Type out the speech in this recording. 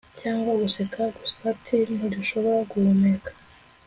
cyangwa guseka gusa 'til ntidushobora guhumeka